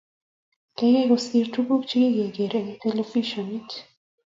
Geigei kosiir tuguuk chagigere eng televishionit ---